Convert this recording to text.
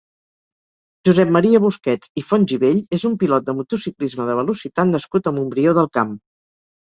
Josep Maria Busquets i Fontgibell és un pilot de motociclisme de velocitat nascut a Montbrió del Camp.